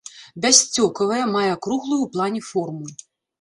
Бяссцёкавае, мае акруглую ў плане форму.